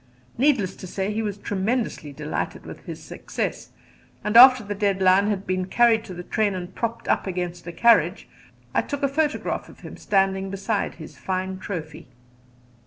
Needless to say he was tremendously delighted with his success, and after the dead lion had been carried to the train and propped up against a carriage, I took a photograph of him standing beside his fine trophy.